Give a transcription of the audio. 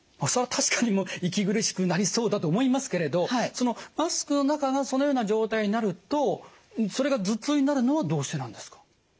それは確かに息苦しくなりそうだと思いますけれどマスクの中がそのような状態になるとそれが頭痛になるのはどうしてなんですか？